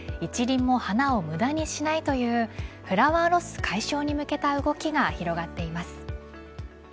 輪も花を無駄にしないというフラワーロス解消に向けた動きが広がっています。